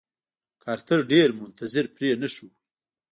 کارتر ډېر منتظر پرې نښود.